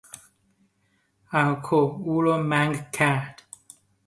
الکل او را منگ کرد.